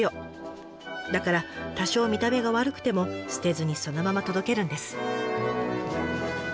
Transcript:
だから多少見た目が悪くても捨てずにそのまま届けるんです。